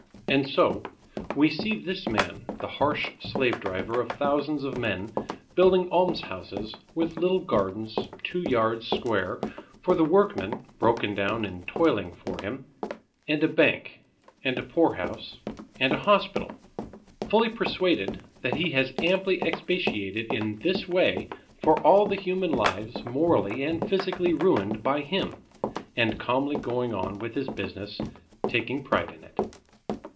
And so we see this man, the harsh slave driver of thousands of men, building almshouses with little gardens two yards square for the workmen broken down in toiling for him, and a bank, and a poorhouse, and a hospital fully persuaded that he has amply expiated in this way for all the human lives morally and physically ruined by him and calmly going on with his business, taking pride in it.